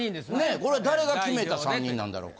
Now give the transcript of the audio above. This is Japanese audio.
これは誰が決めた３人なんだろうか。